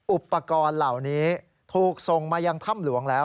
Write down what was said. อุปกรณ์เหล่านี้ถูกส่งมายังถ้ำหลวงแล้ว